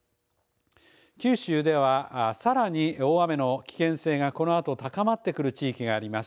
九州ではさらに大雨の危険性がこのあと高まってくる地域があります。